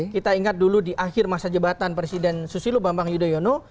kita ingat dulu di akhir masa jabatan presiden susilo bambang yudhoyono